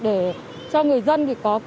để cho người dân có